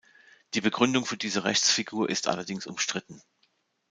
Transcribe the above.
Die Begründung für diese Rechtsfigur ist allerdings umstritten.